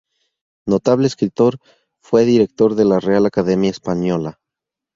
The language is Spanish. Notable escritor, fue director de la Real Academia Española.